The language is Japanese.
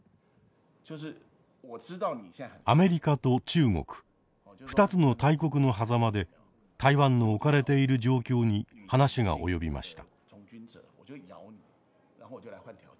アメリカと中国２つの大国のはざまで台湾の置かれている状況に話が及びました。